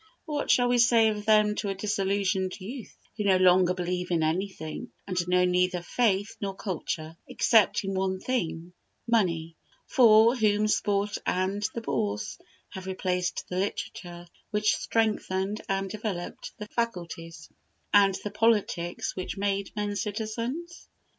What shall we say of them to a disillusionized youth, who no longer believe in anything, and know neither faith nor culture, except in one thing, money for whom Sport and the Bourse have replaced the literature which strengthened and developed the faculties, and the politics which made men citizens?